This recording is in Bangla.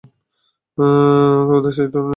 কোথায় সেই ট্যুর নির্দেশক?